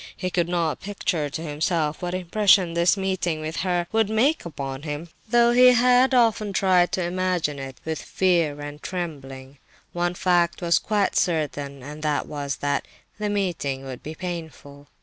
He could not picture to himself what impression this meeting with her would make upon him, though he had often tried to imagine it, with fear and trembling. One fact was quite certain, and that was that the meeting would be painful.